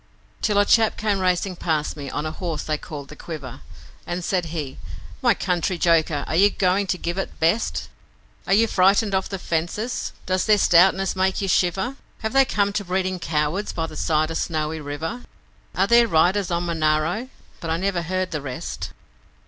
Till a chap came racing past me on a horse they called 'The Quiver', And said he, 'My country joker, are you going to give it best? Are you frightened of the fences? does their stoutness make you shiver? Have they come to breeding cowards by the side of Snowy River? Are there riders on Monaro? ' but I never heard the rest.